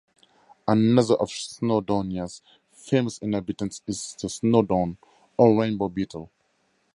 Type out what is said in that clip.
Another of Snowdonia's famous inhabitants is the Snowdon or rainbow beetle.